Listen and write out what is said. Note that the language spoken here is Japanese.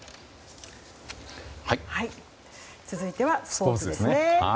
続いてはスポーツです。